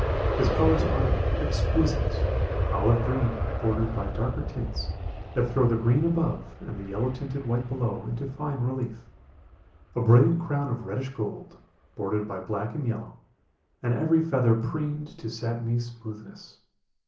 His colors are exquisite, olive green bordered by darker tints that throw the green above and the yellow tinted white below into fine relief; a brilliant crown of reddish gold, bordered by black and yellow, and every feather preened to satiny smoothness.